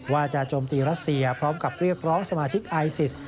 โจมตีรัสเซียพร้อมกับเรียกร้องสมาชิกไอซิส